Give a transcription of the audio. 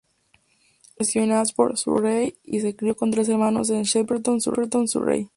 Wilson nació en Ashford, Surrey, y se crio con tres hermanos en Shepperton, Surrey.